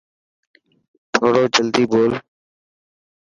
ٿورو جلدي ٻول.